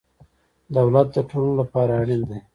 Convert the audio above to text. دولت د ټولنو لپاره اړین دی.